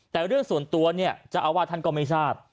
แต่เรื่องส่วนตัวจะเอาว่าท่านก็ไม่ทราบ